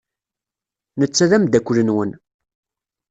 Netta d ameddakel-nwen.